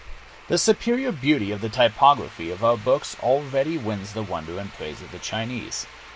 The superior beauty of the typography of our books already wins the wonder and praise of the Chinese.